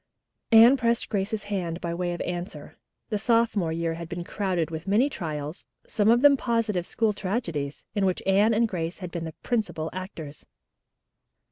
Anne pressed Grace's hand by way of answer. The sophomore year had been crowded with many trials, some of them positive school tragedies, in which Anne and Grace had been the principal actors.